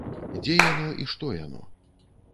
Дзе яно і што яно?